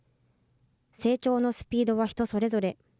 成長のスピードは人それぞれ。